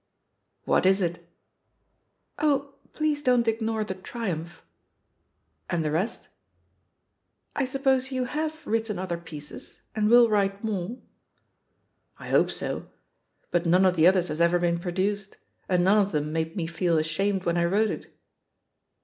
"What is it?" "Oh, please don't ignore the 'triumph' 1" "And the rest?" "I suppose you have written other pieces, and wiU write more?" "I hope so. But none of the others has ever Been produced — ^and none of them made me feel ashamed when I wrote it."